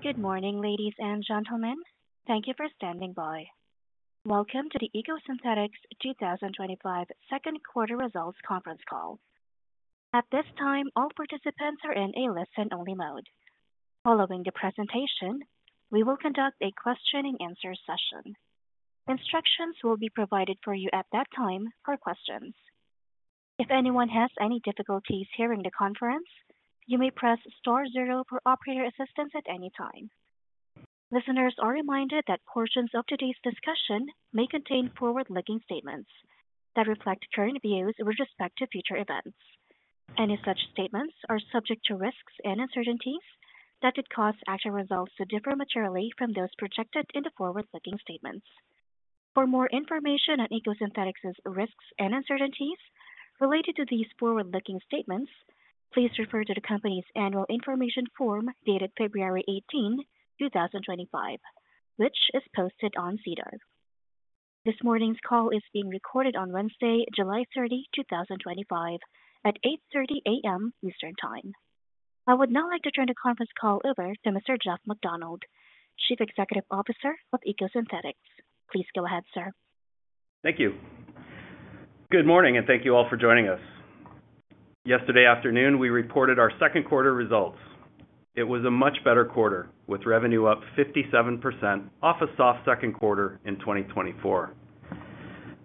Good morning, ladies and gentlemen. Thank you for standing by. Welcome to the EcoSynthetix 2025 second quarter results conference call. At this time, all participants are in a listen-only mode. Following the presentation, we will conduct a question-and-answer session. Instructions will be provided for you at that time for questions. If anyone has any difficulties hearing the conference, you may press star zero for operator assistance at any time. Listeners are reminded that portions of today's discussion may contain forward-looking statements that reflect current views with respect to future events. Any such statements are subject to risks and uncertainties that could cause actual results to differ materially from those projected in the forward-looking statements. For more information on EcoSynthetix's risks and uncertainties related to these forward-looking statements, please refer to the company's annual information form dated February 18, 2025, which is posted on SEDAR. This morning's call is being recorded on Wednesday, July 30, 2025, at 8:30 A.M. Eastern Time. I would now like to turn the conference call over to Mr. Jeff MacDonald, Chief Executive Officer of EcoSynthetix. Please go ahead, sir. Thank you. Good morning, and thank you all for joining us. Yesterday afternoon, we reported our second quarter results. It was a much better quarter, with revenue up 57% off a soft second quarter in 2024.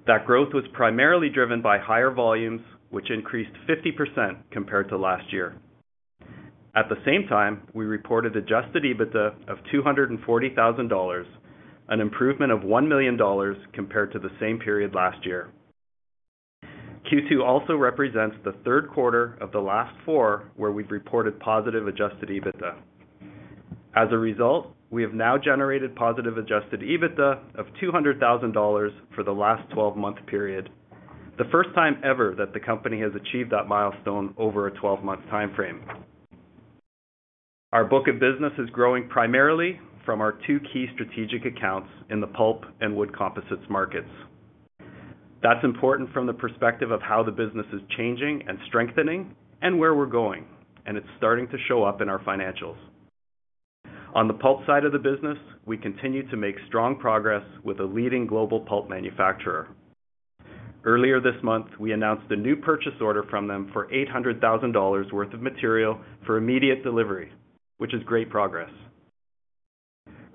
That growth was primarily driven by higher volumes, which increased 50% compared to last year. At the same time, we reported adjusted EBITDA of $240,000, an improvement of $1 million compared to the same period last year. Q2 also represents the third quarter of the last four where we've reported positive adjusted EBITDA. As a result, we have now generated positive adjusted EBITDA of $200,000 for the last 12-month period, the first time ever that the company has achieved that milestone over a 12-month timeframe. Our book of business is growing primarily from our two key strategic accounts in the pulp and wood composites markets. That's important from the perspective of how the business is changing and strengthening and where we're going, and it's starting to show up in our financials. On the pulp side of the business, we continue to make strong progress with a leading global pulp manufacturer. Earlier this month, we announced a new purchase order from them for $800,000 worth of material for immediate delivery, which is great progress.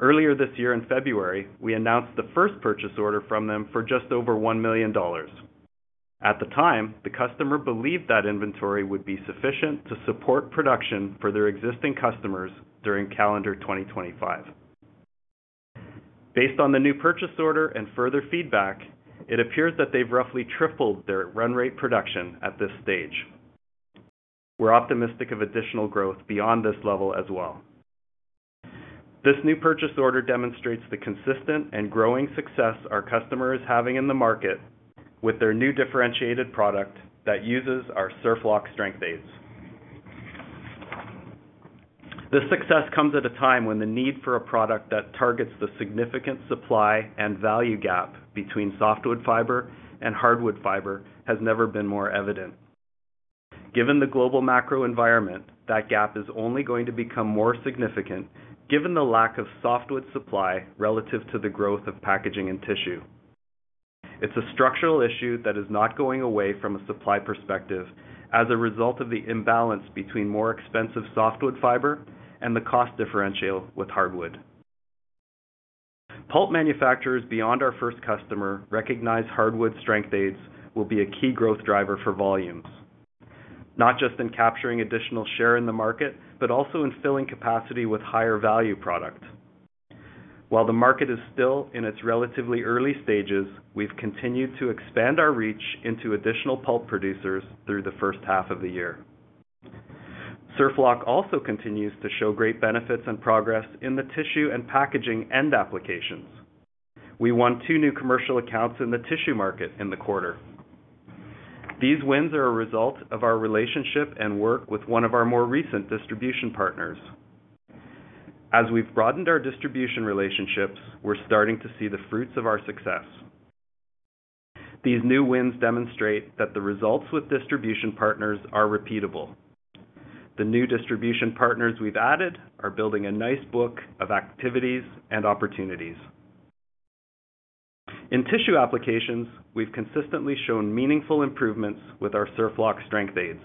Earlier this year in February, we announced the first purchase order from them for just over $1 million. At the time, the customer believed that inventory would be sufficient to support production for their existing customers during calendar 2025. Based on the new purchase order and further feedback, it appears that they've roughly tripled their run-rate production at this stage. We're optimistic of additional growth beyond this level as well. This new purchase order demonstrates the consistent and growing success our customer is having in the market with their new differentiated product that uses our SurfLock strength aids. This success comes at a time when the need for a product that targets the significant supply and value gap between softwood fiber and hardwood fiber has never been more evident. Given the global macro environment, that gap is only going to become more significant given the lack of softwood supply relative to the growth of packaging and tissue. It's a structural issue that is not going away from a supply perspective as a result of the imbalance between more expensive softwood fiber and the cost differential with hardwood. Pulp manufacturers beyond our first customer recognize hardwood strength aids will be a key growth driver for volumes, not just in capturing additional share in the market, but also in filling capacity with higher value products. While the market is still in its relatively early stages, we've continued to expand our reach into additional pulp producers through the first half of the year. SurfLock also continues to show great benefits and progress in the tissue and packaging end applications. We won two new commercial accounts in the tissue market in the quarter. These wins are a result of our relationship and work with one of our more recent distribution partners. As we've broadened our distribution relationships, we're starting to see the fruits of our success. These new wins demonstrate that the results with distribution partners are repeatable. The new distribution partners we've added are building a nice book of activities and opportunities. In tissue applications, we've consistently shown meaningful improvements with our SurfLock strength aids,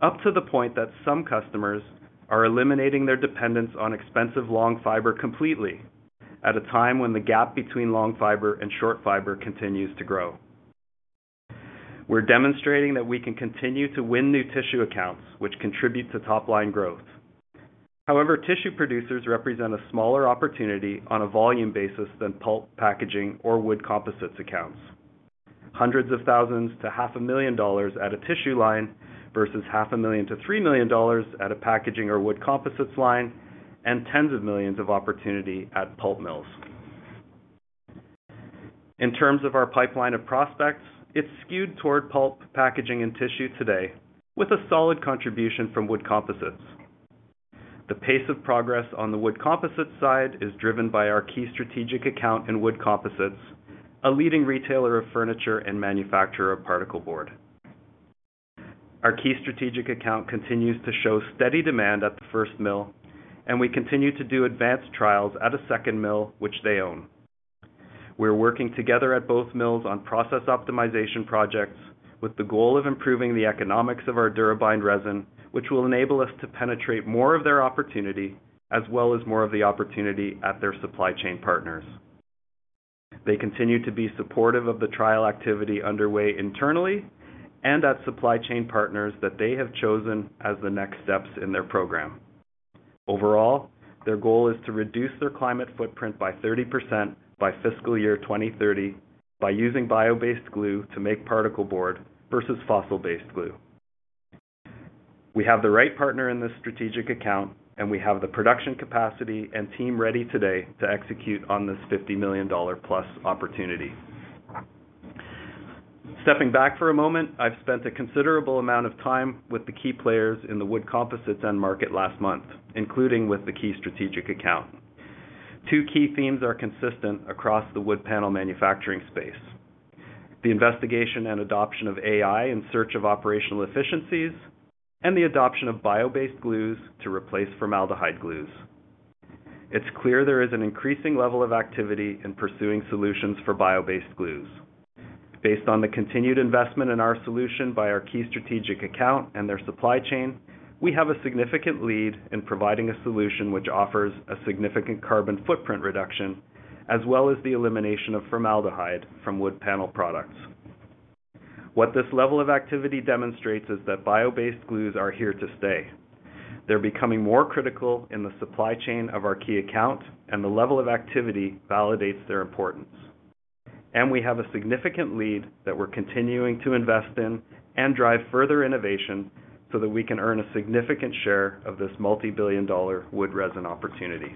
up to the point that some customers are eliminating their dependence on expensive long fiber completely at a time when the gap between long fiber and short fiber continues to grow. We're demonstrating that we can continue to win new tissue accounts, which contribute to top-line growth. However, tissue producers represent a smaller opportunity on a volume basis than pulp, packaging, or wood composites accounts. Hundreds of thousands to $0.5 million at a tissue line versus $0.5 million-$3 million at a packaging or wood composites line, and tens of millions of opportunity at pulp mills. In terms of our pipeline of prospects, it's skewed toward pulp, packaging, and tissue today, with a solid contribution from wood composites. The pace of progress on the wood composites side is driven by our key strategic account in wood composites, a leading retailer of furniture and manufacturer of particle board. Our key strategic account continues to show steady demand at the first mill, and we continue to do advanced trials at a second mill, which they own. We're working together at both mills on process optimization projects with the goal of improving the economics of our DuraBind resin, which will enable us to penetrate more of their opportunity as well as more of the opportunity at their supply chain partners. They continue to be supportive of the trial activity underway internally and at supply chain partners that they have chosen as the next steps in their program. Overall, their goal is to reduce their climate footprint by 30% by fiscal year 2030 by using bio-based glue to make particle board versus fossil-based glue. We have the right partner in this strategic account, and we have the production capacity and team ready today to execute on this $50 million+ opportunity. Stepping back for a moment, I've spent a considerable amount of time with the key players in the wood composites end market last month, including with the key strategic account. Two key themes are consistent across the wood panel manufacturing space: the investigation and adoption of AI in search of operational efficiencies and the adoption of bio-based glues to replace formaldehyde-based adhesives. It's clear there is an increasing level of activity in pursuing solutions for bio-based glues. Based on the continued investment in our solution by our key strategic account and their supply chain, we have a significant lead in providing a solution which offers a significant carbon footprint reduction, as well as the elimination of formaldehyde from wood panel products. What this level of activity demonstrates is that bio-based glues are here to stay. They're becoming more critical in the supply chain of our key account, and the level of activity validates their importance. We have a significant lead that we're continuing to invest in and drive further innovation so that we can earn a significant share of this multi-billion dollar wood resin opportunity.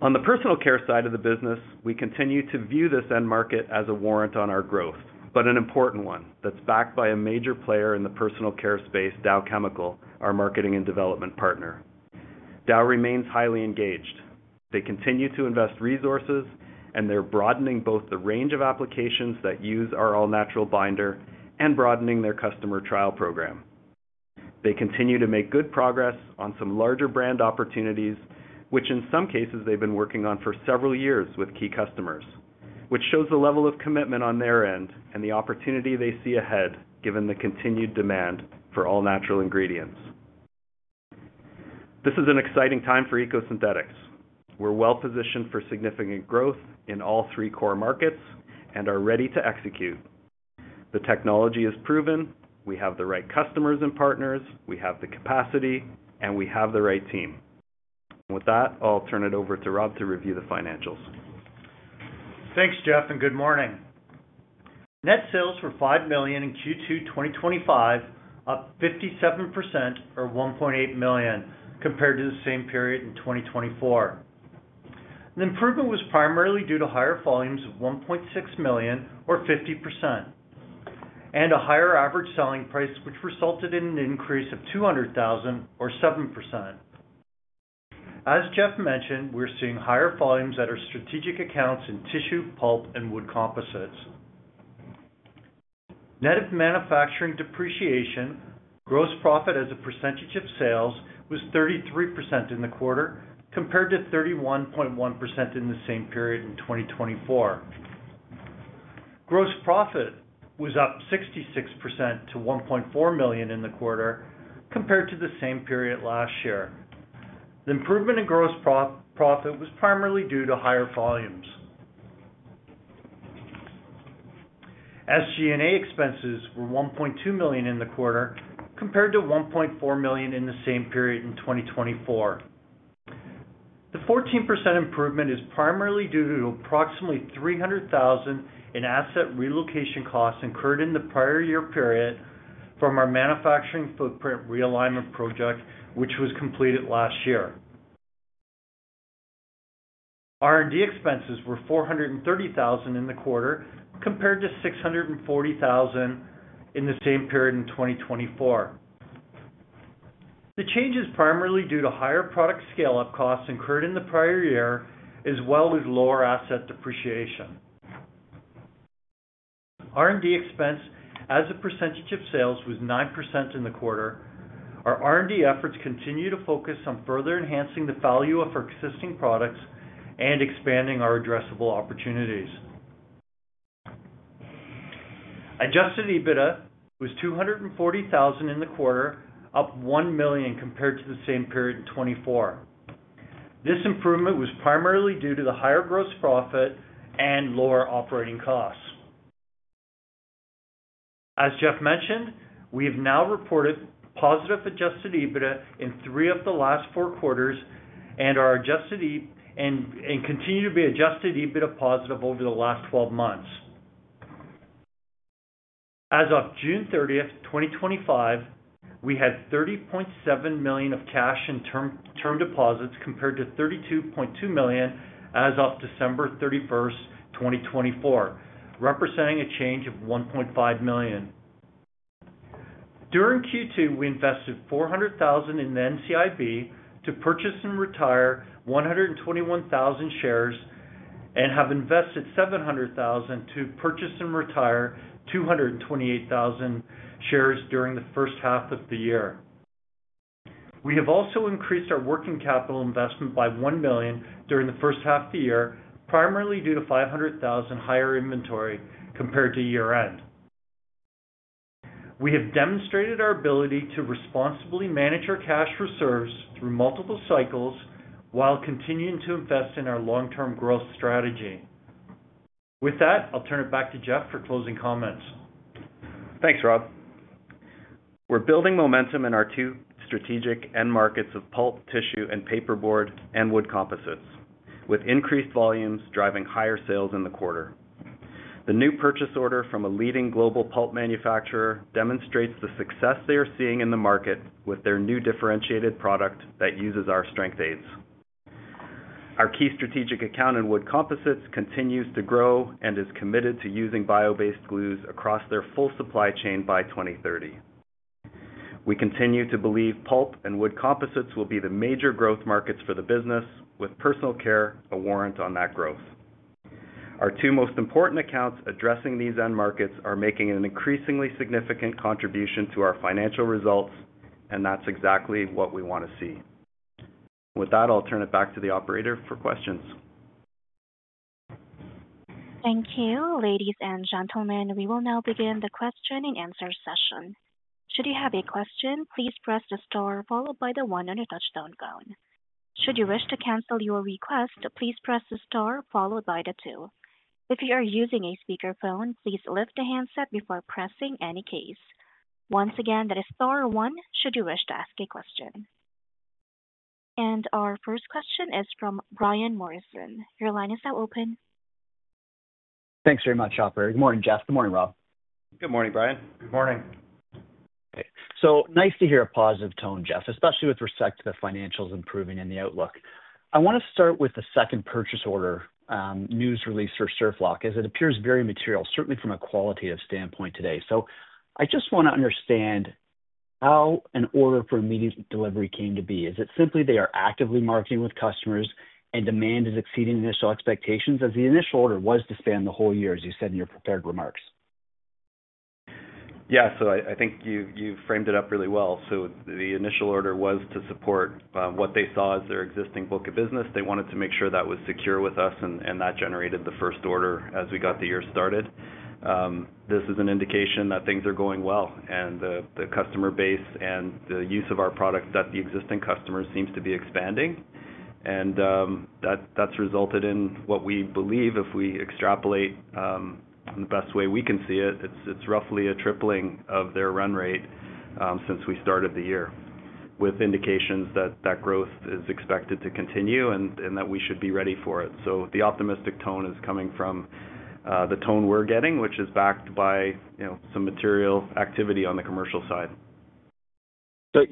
On the personal care side of the business, we continue to view this end market as a warrant on our growth, but an important one that's backed by a major player in the personal care space, Dow Chemical, our marketing and development partner. Dow remains highly engaged. They continue to invest resources, and they're broadening both the range of applications that use our all-natural binder and broadening their customer trial program. They continue to make good progress on some larger brand opportunities, which in some cases they've been working on for several years with key customers, which shows the level of commitment on their end and the opportunity they see ahead, given the continued demand for all-natural ingredients. This is an exciting time for EcoSynthetix. We're well positioned for significant growth in all three core markets and are ready to execute. The technology is proven, we have the right customers and partners, we have the capacity, and we have the right team. With that, I'll turn it over to Rob to review the financials. Thanks, Jeff, and good morning. Net sales were $5 million in Q2 2025, up 57% or $1.8 million compared to the same period in 2024. The improvement was primarily due to higher volumes of $1.6 million or 50% and a higher average selling price, which resulted in an increase of $200,000 or 7%. As Jeff mentioned, we're seeing higher volumes at our strategic accounts in tissue, pulp, and wood composites. Net of manufacturing depreciation, gross profit as a percentage of sales was 33% in the quarter compared to 31.1% in the same period in 2024. Gross profit was up 66% to $1.4 million in the quarter compared to the same period last year. The improvement in gross profit was primarily due to higher volumes. SG&A expenses were $1.2 million in the quarter compared to $1.4 million in the same period in 2024. The 14% improvement is primarily due to approximately $300,000 in asset relocation costs incurred in the prior year period from our manufacturing footprint realignment project, which was completed last year. R&D expenses were $430,000 in the quarter compared to $640,000 in the same period in 2024. The change is primarily due to higher product scale-up costs incurred in the prior year, as well as lower asset depreciation. R&D expense as a percentage of sales was 9% in the quarter. Our R&D efforts continue to focus on further enhancing the value of our existing products and expanding our addressable opportunities. Adjusted EBITDA was $240,000 in the quarter, up $1 million compared to the same period in 2024. This improvement was primarily due to the higher gross profit and lower operating costs. As Jeff mentioned, we have now reported positive adjusted EBITDA in three of the last four quarters and continue to be adjusted EBITDA positive over the last 12 months. As of June 30th, 2025, we had $30.7 million of cash in term deposits compared to $32.2 million as of December 31st, 2024, representing a change of $1.5 million. During Q2, we invested $400,000 in the NCIB to purchase and retire 121,000 shares and have invested $700,000 to purchase and retire 228,000 shares during the first half of the year. We have also increased our working capital investment by $1 million during the first half of the year, primarily due to $500,000 higher inventory compared to year-end. We have demonstrated our ability to responsibly manage our cash reserves through multiple cycles while continuing to invest in our long-term growth strategy. With that, I'll turn it back to Jeff for closing comments. Thanks, Rob. We're building momentum in our two strategic end markets of pulp, tissue, and paper board and wood composites, with increased volumes driving higher sales in the quarter. The new purchase order from a leading global pulp manufacturer demonstrates the success they are seeing in the market with their new differentiated product that uses our strength aids. Our key strategic account in wood composites continues to grow and is committed to using bio-based glues across their full supply chain by 2030. We continue to believe pulp and wood composites will be the major growth markets for the business, with personal care a warrant on that growth. Our two most important accounts addressing these end markets are making an increasingly significant contribution to our financial results, and that's exactly what we want to see. With that, I'll turn it back to the operator for questions. Thank you, ladies and gentlemen. We will now begin the question-and-answer session. Should you have a question, please press the star followed by the one on your touch-tone phone. Should you wish to cancel your request, please press the star followed by the two. If you are using a speakerphone, please lift the handset before pressing any keys. Once again, that is star one should you wish to ask a question. Our first question is from Brian Morrison. Your line is now open. Thanks very much, Hopper. Good morning, Jeff. Good morning, Rob. Good morning, Brian. Good morning. Nice to hear a positive tone, Jeff, especially with respect to the financials improving in the outlook. I want to start with the second purchase order news release for SurfLock as it appears very material, certainly from a qualitative standpoint today. I just want to understand how an order for immediate delivery came to be. Is it simply they are actively marketing with customers and demand is exceeding initial expectations as the initial order was to span the whole year, as you said in your prepared remarks? Yeah, I think you framed it up really well. The initial order was to support what they saw as their existing book of business. They wanted to make sure that was secure with us, and that generated the first order as we got the year started. This is an indication that things are going well, and the customer base and the use of our product, that the existing customers seem to be expanding. That's resulted in what we believe, if we extrapolate in the best way we can see it, it's roughly a tripling of their run rate since we started the year, with indications that that growth is expected to continue and that we should be ready for it. The optimistic tone is coming from the tone we're getting, which is backed by some material activity on the commercial side.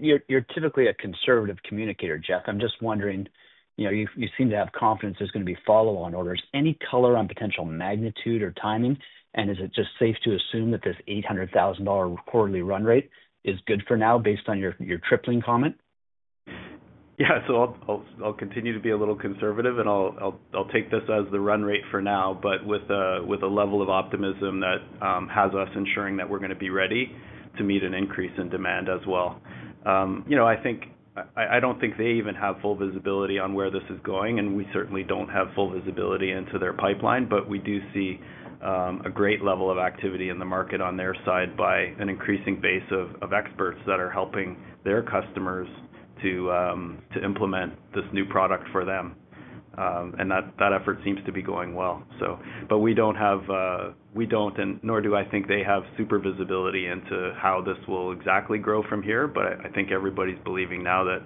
You're typically a conservative communicator, Jeff. I'm just wondering, you seem to have confidence there's going to be follow-on orders. Any color on potential magnitude or timing? Is it just safe to assume that this $800,000 quarterly run rate is good for now based on your tripling comment? Yeah, so I'll continue to be a little conservative, and I'll take this as the run rate for now, but with a level of optimism that has us ensuring that we're going to be ready to meet an increase in demand as well. I think I don't think they even have full visibility on where this is going, and we certainly don't have full visibility into their pipeline, but we do see a great level of activity in the market on their side by an increasing base of experts that are helping their customers to implement this new product for them. That effort seems to be going well. We don't have, and nor do I think they have, super visibility into how this will exactly grow from here, but I think everybody's believing now that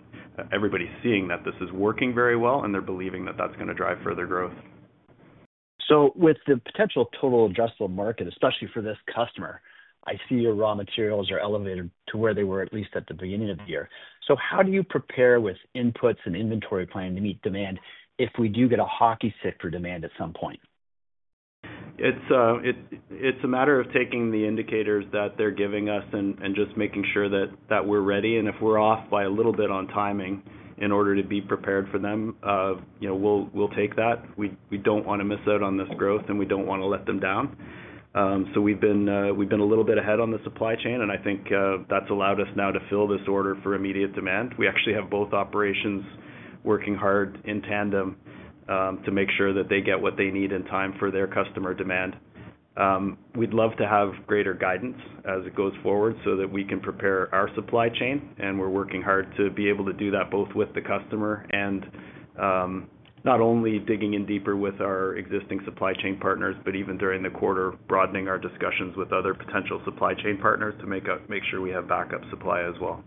everybody's seeing that this is working very well, and they're believing that that's going to drive further growth. With the potential total adjustable market, especially for this customer, I see your raw materials are elevated to where they were at least at the beginning of the year. How do you prepare with inputs and inventory planning to meet demand if we do get a hockey stick for demand at some point? It's a matter of taking the indicators that they're giving us and just making sure that we're ready. If we're off by a little bit on timing in order to be prepared for them, we'll take that. We don't want to miss out on this growth, and we don't want to let them down. We've been a little bit ahead on the supply chain, and I think that's allowed us now to fill this order for immediate demand. We actually have both operations working hard in tandem to make sure that they get what they need in time for their customer demand. We'd love to have greater guidance as it goes forward so that we can prepare our supply chain, and we're working hard to be able to do that both with the customer and not only digging in deeper with our existing supply chain partners, but even during the quarter, broadening our discussions with other potential supply chain partners to make sure we have backup supply as well.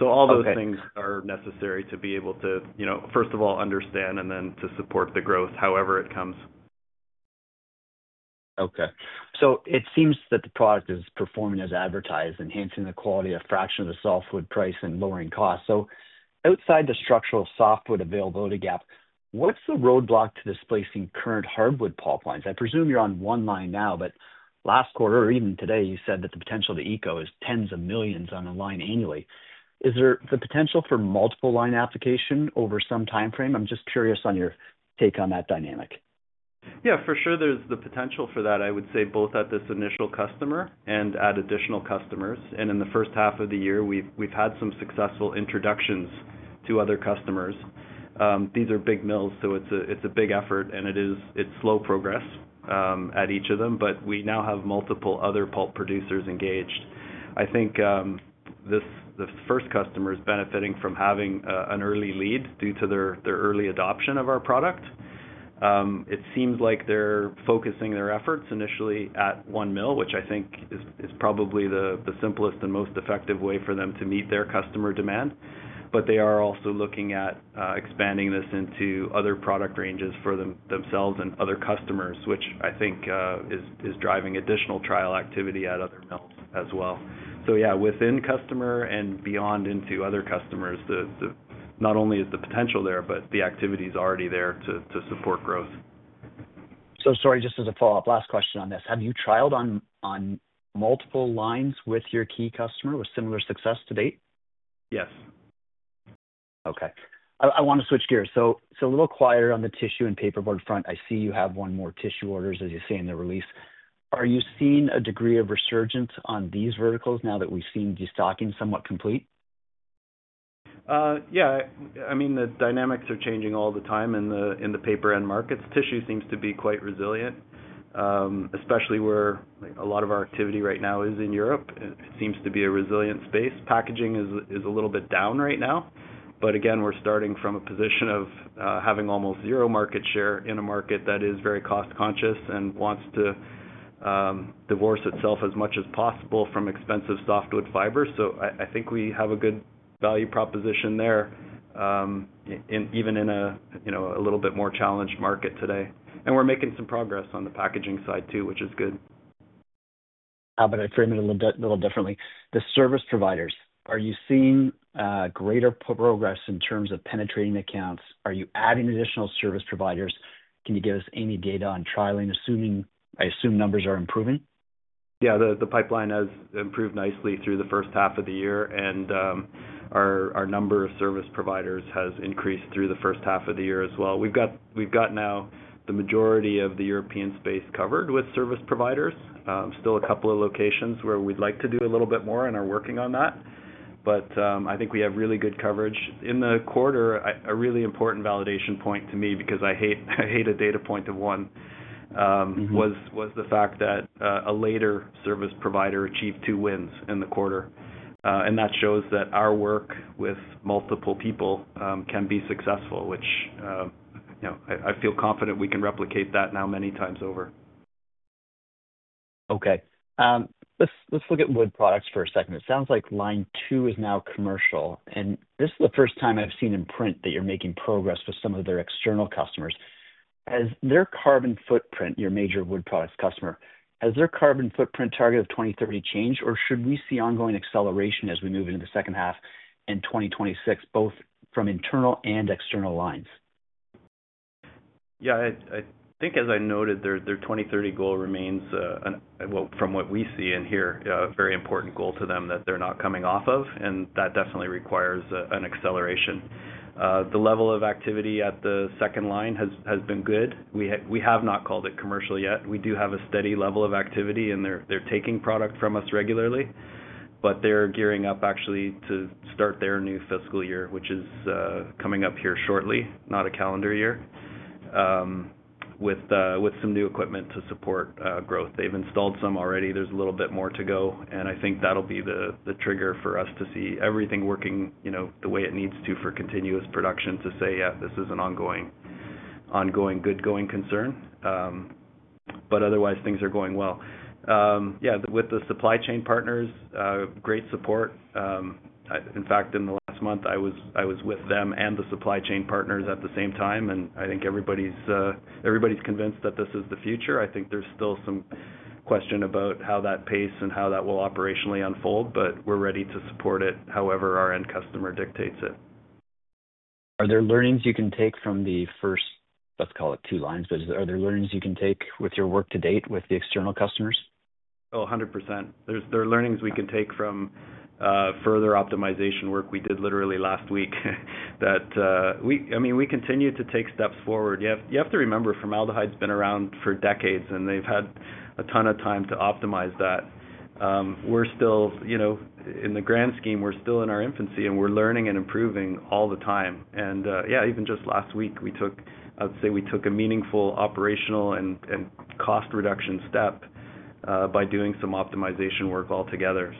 All those things are necessary to be able to, first of all, understand and then to support the growth however it comes. Okay. It seems that the product is performing as advertised, enhancing the quality of a fraction of the softwood price and lowering costs. Outside the structural softwood availability gap, what's the roadblock to displacing current hardwood pulp lines? I presume you're on one line now, but last quarter or even today, you said that the potential to Eco is tens of millions on the line annually. Is there the potential for multiple line application over some timeframe? I'm just curious on your take on that dynamic. Yeah, for sure, there's the potential for that. I would say both at this initial customer and at additional customers. In the first half of the year, we've had some successful introductions to other customers. These are big mills, so it's a big effort, and it's slow progress at each of them, but we now have multiple other pulp producers engaged. I think the first customer is benefiting from having an early lead due to their early adoption of our product. It seems like they're focusing their efforts initially at one mill, which I think is probably the simplest and most effective way for them to meet their customer demand. They are also looking at expanding this into other product ranges for themselves and other customers, which I think is driving additional trial activity at other mills as well. Yeah, within customer and beyond into other customers, not only is the potential there, but the activity is already there to support growth. Sorry, just as a follow-up, last question on this. Have you trialed on multiple lines with your key customer with similar success to date? Yes. Okay. I want to switch gears. It's a little quieter on the tissue and paperboard front. I see you have one more tissue order, as you say in the release. Are you seeing a degree of resurgence on these verticals now that we've seen destocking somewhat complete? Yeah, I mean, the dynamics are changing all the time in the paper end markets. Tissue seems to be quite resilient, especially where a lot of our activity right now is in Europe. It seems to be a resilient space. Packaging is a little bit down right now. We are starting from a position of having almost zero market share in a market that is very cost-conscious and wants to divorce itself as much as possible from expensive softwood fibers. I think we have a good value proposition there, even in a little bit more challenged market today. We're making some progress on the packaging side too, which is good. I frame it a little differently. The service providers, are you seeing greater progress in terms of penetrating accounts? Are you adding additional service providers? Can you give us any data on trialing, assuming I assume numbers are improving? Yeah, the pipeline has improved nicely through the first half of the year, and our number of service providers has increased through the first half of the year as well. We've got now the majority of the European space covered with service providers. There are still a couple of locations where we'd like to do a little bit more and are working on that. I think we have really good coverage. In the quarter, a really important validation point to me, because I hate a data point of one, was the fact that a later service provider achieved two wins in the quarter. That shows that our work with multiple people can be successful, which I feel confident we can replicate now many times over. Okay. Let's look at wood products for a second. It sounds like line two is now commercial. This is the first time I've seen in print that you're making progress with some of their external customers. Has their carbon footprint, your major wood products customer, has their carbon footprint target of 2030 changed, or should we see ongoing acceleration as we move into the second half in 2026, both from internal and external lines? Yeah, I think as I noted, their 2030 goal remains, from what we see and hear, a very important goal to them that they're not coming off of, and that definitely requires an acceleration. The level of activity at the second line has been good. We have not called it commercial yet. We do have a steady level of activity, and they're taking product from us regularly, but they're gearing up actually to start their new fiscal year, which is coming up here shortly, not a calendar year, with some new equipment to support growth. They've installed some already. There's a little bit more to go, and I think that'll be the trigger for us to see everything working the way it needs to for continuous production to say, yeah, this is an ongoing good-going concern. Otherwise, things are going well. With the supply chain partners, great support. In fact, in the last month, I was with them and the supply chain partners at the same time, and I think everybody's convinced that this is the future. I think there's still some question about how that pace and how that will operationally unfold, but we're ready to support it however our end customer dictates it. Are there learnings you can take from the first, let's call it two lines, but are there learnings you can take with your work to date with the external customers? Oh, 100%. There are learnings we can take from further optimization work we did literally last week that we, I mean, we continue to take steps forward. You have to remember, formaldehyde's been around for decades, and they've had a ton of time to optimize that. We're still, you know, in the grand scheme, we're still in our infancy, and we're learning and improving all the time. Yeah, even just last week, we took, I'd say we took a meaningful operational and cost reduction step by doing some optimization work altogether.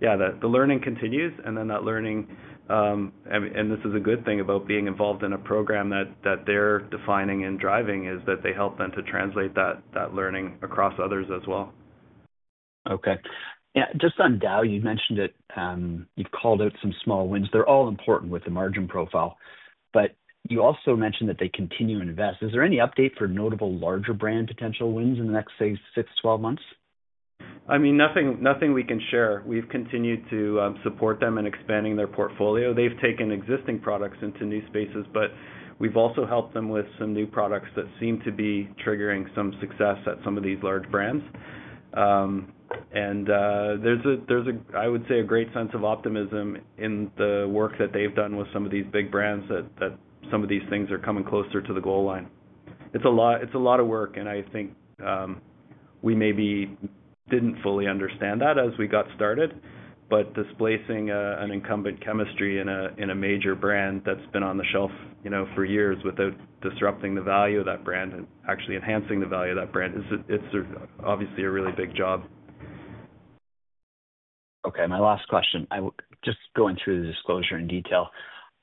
The learning continues, and then that learning, and this is a good thing about being involved in a program that they're defining and driving, is that they help then to translate that learning across others as well. Okay. Yeah, just on Dow, you mentioned that you've called out some small wins. They're all important with the margin profile, but you also mentioned that they continue to invest. Is there any update for notable larger brand potential wins in the next, say, 6 to 12 months? I mean, nothing we can share. We've continued to support them in expanding their portfolio. They've taken existing products into new spaces, but we've also helped them with some new products that seem to be triggering some success at some of these large brands. There is, I would say, a great sense of optimism in the work that they've done with some of these big brands that some of these things are coming closer to the goal line. It's a lot of work, and I think we maybe didn't fully understand that as we got started, but displacing an incumbent chemistry in a major brand that's been on the shelf for years without disrupting the value of that brand and actually enhancing the value of that brand, it's obviously a really big job. Okay, my last question. Just going through the disclosure in detail,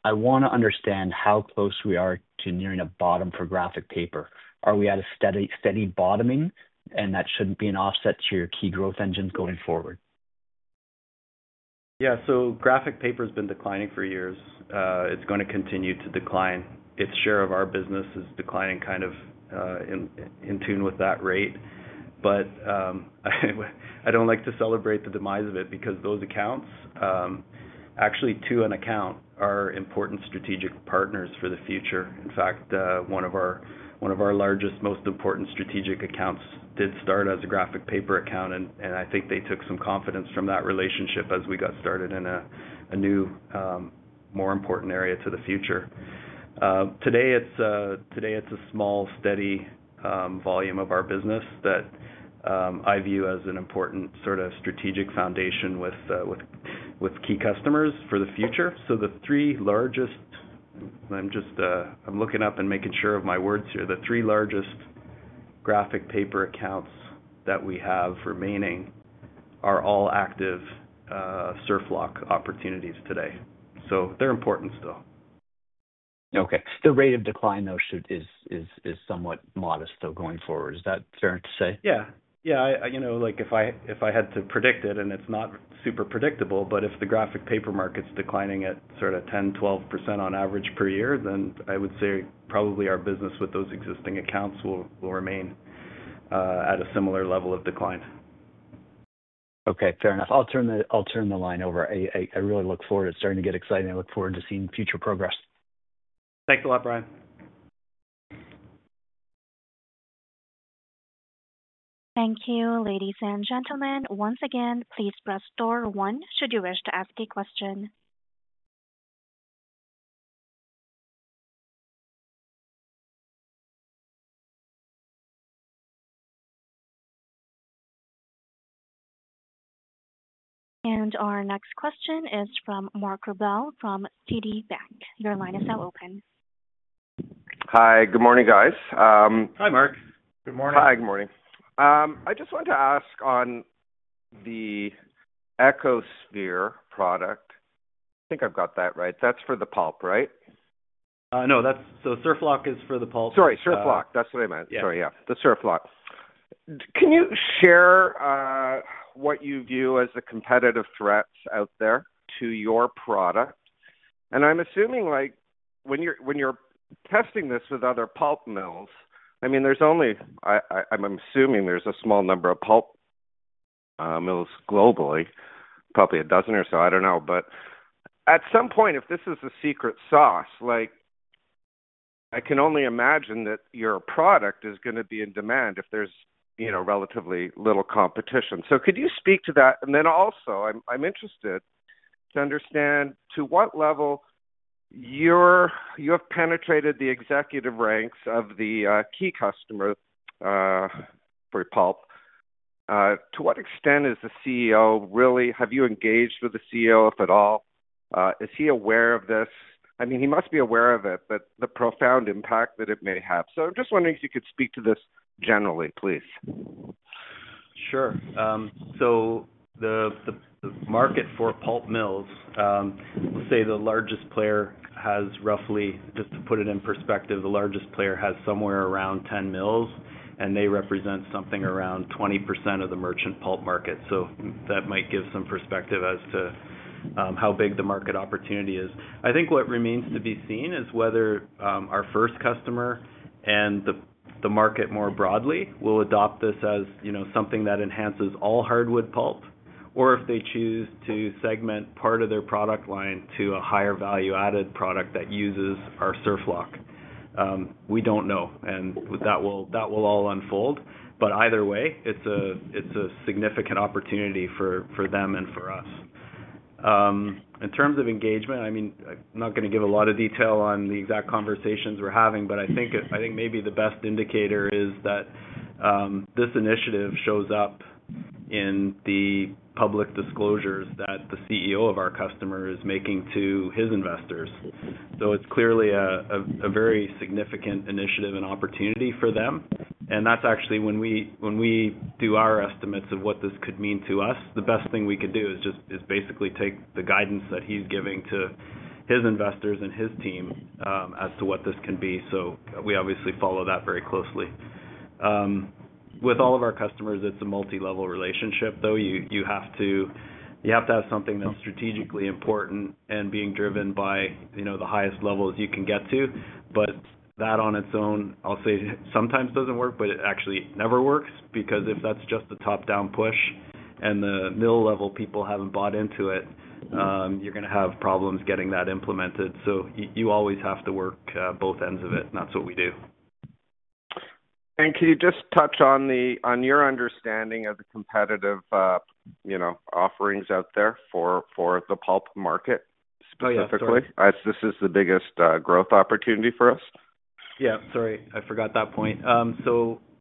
I want to understand how close we are to nearing a bottom for graphic paper. Are we at a steady bottoming, and that shouldn't be an offset to your key growth engines going forward? Yeah, graphic paper has been declining for years. It's going to continue to decline. Its share of our business is declining in tune with that rate. I don't like to celebrate the demise of it because those accounts, actually to an account, are important strategic partners for the future. In fact, one of our largest, most important strategic accounts did start as a graphic paper account, and I think they took some confidence from that relationship as we got started in a new, more important area to the future. Today, it's a small, steady volume of our business that I view as an important sort of strategic foundation with key customers for the future. The three largest, I'm just looking up and making sure of my words here, the three largest graphic paper accounts that we have remaining are all active SurfLock opportunities today. They're important still. Okay. The rate of decline, though, is somewhat modest though going forward. Is that fair to say? Yeah, you know, like if I had to predict it, and it's not super predictable, but if the graphic paper market's declining at sort of 10%-12% on average per year, then I would say probably our business with those existing accounts will remain at a similar level of decline. Okay, fair enough. I'll turn the line over. I really look forward to starting to get excited. I look forward to seeing future progress. Thanks a lot, Brian. Thank you, ladies and gentlemen. Once again, please press star one should you wish to ask a question. Our next question is from Mark Rebell from TD Bank. Your line is now open. Hi, good morning guys. Hi Mark. Good morning. Hi, good morning. I just wanted to ask on the EcoSphere product. I think I've got that right. That's for the pulp, right? No, that's SurfLock is for the pulp. Sorry, SurfLock. That's what I meant. Sorry, yeah, the SurfLock. Can you share what you view as the competitive threats out there to your product? I'm assuming when you're testing this with other pulp mills, there's only, I'm assuming there's a small number of pulp mills globally, probably a dozen or so, I don't know. At some point, if this is a secret sauce, I can only imagine that your product is going to be in demand if there's relatively little competition. Could you speak to that? I'm also interested to understand to what level you have penetrated the executive ranks of the key customer for pulp. To what extent is the CEO really, have you engaged with the CEO, if at all? Is he aware of this? He must be aware of it, but the profound impact that it may have. I'm just wondering if you could speak to this generally, please. Sure. The market for pulp mills, we'll say the largest player has roughly, just to put it in perspective, the largest player has somewhere around 10 mills, and they represent something around 20% of the merchant pulp market. That might give some perspective as to how big the market opportunity is. I think what remains to be seen is whether our first customer and the market more broadly will adopt this as something that enhances all hardwood pulp, or if they choose to segment part of their product line to a higher value-added product that uses our SurfLock. We don't know, and that will all unfold. Either way, it's a significant opportunity for them and for us. In terms of engagement, I'm not going to give a lot of detail on the exact conversations we're having, but I think maybe the best indicator is that this initiative shows up in the public disclosures that the CEO of our customer is making to his investors. It's clearly a very significant initiative and opportunity for them. That's actually when we do our estimates of what this could mean to us. The best thing we could do is just basically take the guidance that he's giving to his investors and his team as to what this can be. We obviously follow that very closely. With all of our customers, it's a multi-level relationship, though. You have to have something that's strategically important and being driven by the highest levels you can get to. That on its own, I'll say, sometimes doesn't work, but it actually never works because if that's just a top-down push and the mill-level people haven't bought into it, you're going to have problems getting that implemented. You always have to work both ends of it, and that's what we do. Can you just touch on your understanding of the competitive offerings out there for the pulp market specifically? This is the biggest growth opportunity for us. Sorry, I forgot that point.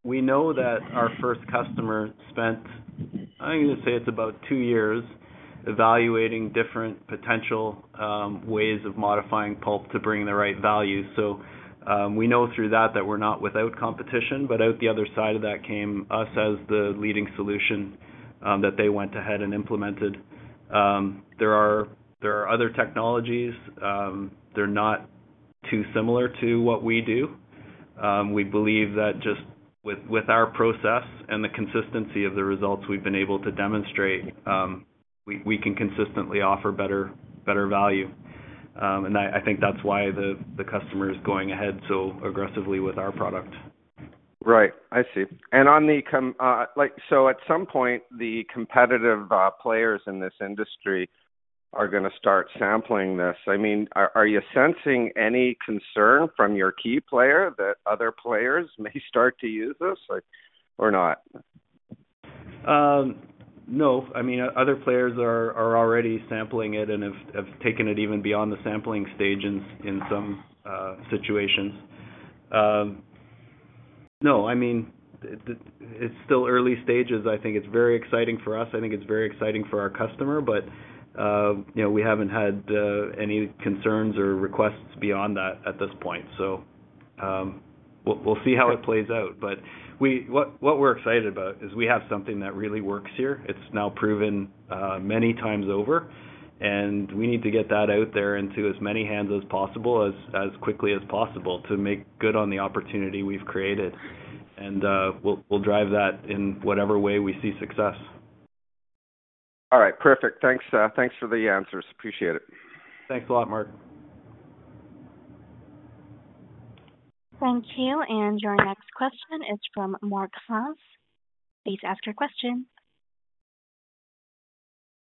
We know that our first customer spent, I'm going to say it's about two years, evaluating different potential ways of modifying pulp to bring the right value. We know through that we're not without competition. Out the other side of that came us as the leading solution that they went ahead and implemented. There are other technologies, they're not too similar to what we do. We believe that just with our process and the consistency of the results we've been able to demonstrate, we can consistently offer better value. I think that's why the customer is going ahead so aggressively with our product. I see. At some point, the competitive players in this industry are going to start sampling this. Are you sensing any concern from your key player that other players may start to use this or not? Other players are already sampling it and have taken it even beyond the sampling stage in some situations. It's still early stages. I think it's very exciting for us. I think it's very exciting for our customer, but we haven't had any concerns or requests beyond that at this point. We'll see how it plays out. What we're excited about is we have something that really works here. It's now proven many times over, and we need to get that out there into as many hands as possible as quickly as possible to make good on the opportunity we've created. We'll drive that in whatever way we see success. All right, perfect. Thanks for the answers. Appreciate it. Thanks a lot, Mark. Thank you. Your next question is from [Mark Haas]. Please ask your question.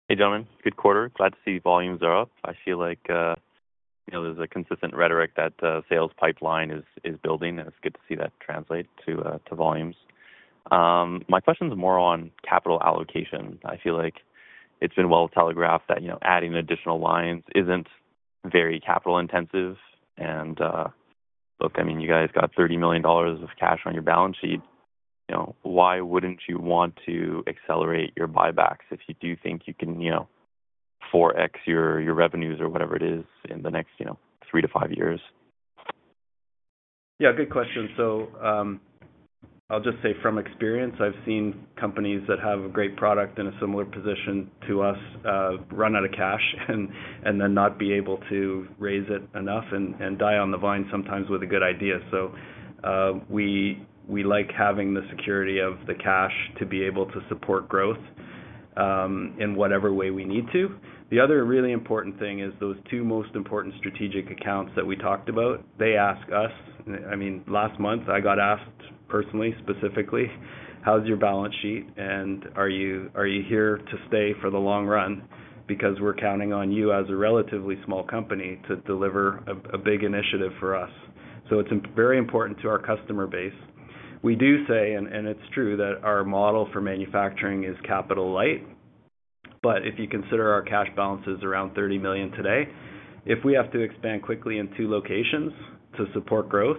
Hey, gentlemen. Good quarter. Glad to see volumes are up. I feel like there's a consistent rhetoric that the sales pipeline is building, and it's good to see that translate to volumes. My question is more on capital allocation. I feel like it's been well telegraphed that adding additional lines isn't very capital intensive. Look, I mean, you guys got $30 million of cash on your balance sheet. Why wouldn't you want to accelerate your buybacks if you do think you can 4x your revenues or whatever it is in the next three to five years? Yeah, good question. I'll just say from experience, I've seen companies that have a great product in a similar position to us run out of cash and then not be able to raise it enough and die on the vine sometimes with a good idea. We like having the security of the cash to be able to support growth in whatever way we need to. The other really important thing is those two most important strategic accounts that we talked about. They ask us, I mean, last month I got asked personally, specifically, how's your balance sheet and are you here to stay for the long run because we're counting on you as a relatively small company to deliver a big initiative for us. It's very important to our customer base. We do say, and it's true, that our model for manufacturing is capital light. If you consider our cash balances around $30 million today, if we have to expand quickly in two locations to support growth,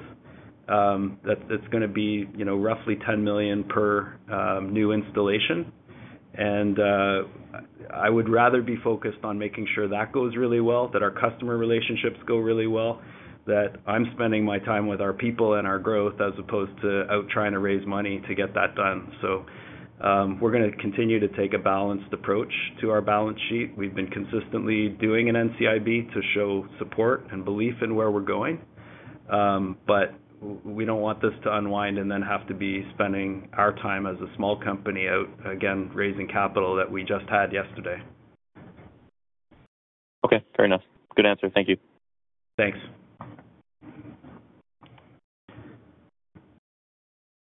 it's going to be roughly $10 million per new installation. I would rather be focused on making sure that goes really well, that our customer relationships go really well, that I'm spending my time with our people and our growth as opposed to out trying to raise money to get that done. We're going to continue to take a balanced approach to our balance sheet. We've been consistently doing an NCIB to show support and belief in where we're going. We don't want this to unwind and then have to be spending our time as a small company out again raising capital that we just had yesterday. Okay, fair enough. Good answer. Thank you. Thanks.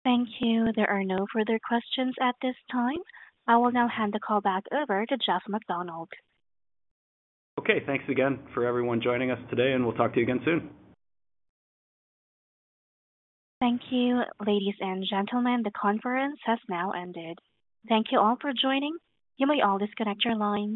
Thank you. There are no further questions at this time. I will now hand the call back over to Jeff MacDonald. Okay, thanks again for everyone joining us today, and we'll talk to you again soon. Thank you, ladies and gentlemen. The conference has now ended. Thank you all for joining. You may all disconnect your line.